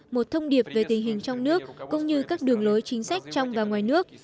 một thông điệp về tình hình trong nước cũng như các đường lối chính sách trong và ngoài nước